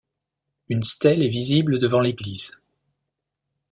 Une stèle est visible devant l'église.